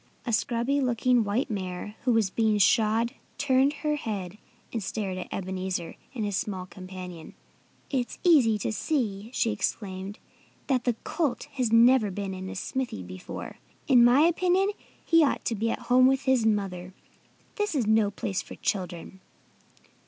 A scrubby looking white mare who was being shod turned her head and stared at Ebenezer and his small companion. "It's easy to see," she exclaimed, "that that colt has never been in a smithy before. In my opinion he ought to be at home with his mother. This is no place for children."